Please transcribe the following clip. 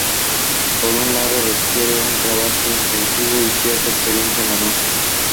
The scale and brutality of the antisemitism greatly intensified.